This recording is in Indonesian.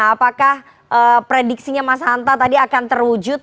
apakah prediksinya mas hanta tadi akan terwujud